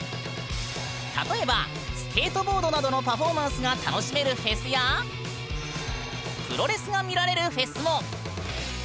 例えばスケートボードなどのパフォーマンスが楽しめるフェスやプロレスが見られるフェスも！